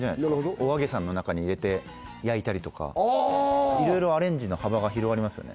お揚げさんの中に入れて焼いたりとかいろいろアレンジの幅が広がりますよね